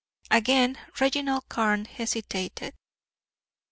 Again Reginald Carne hesitated.